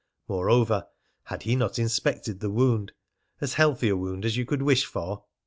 Moreover, had he not inspected the wound as healthy a wound as you could wish for?